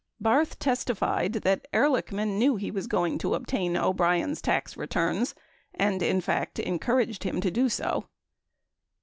Barth testified that Ehrlichman knew he was going to obtain O'Brien's tax returns and, in fact, encouraged him to do so.